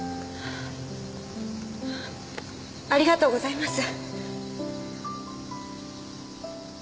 ありがとうございます